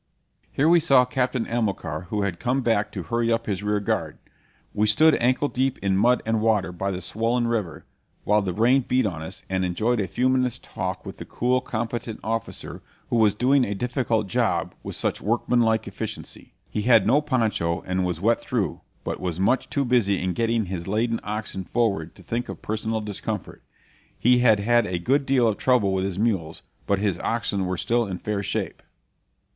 Here we saw Captain Amilcar, who had come back to hurry up his rear guard. We stood ankle deep in mud and water, by the swollen river, while the rain beat on us, and enjoyed a few minutes' talk with the cool, competent officer who was doing a difficult job with such workman like efficiency. He had no poncho, and was wet through, but was much too busy in getting his laden oxen forward to think of personal discomfort. He had had a good deal of trouble with his mules, but his oxen were still in fair shape.